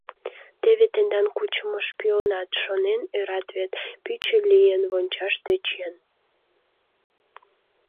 Теве тендан кучымо шпионат, шонен ӧрат вет, пӱчӧ лийын вончаш тӧчен!